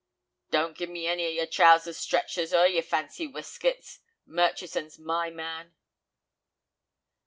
"Don't give me any of yer 'trousers stretchers' or yer fancy weskits—Murchison's my man."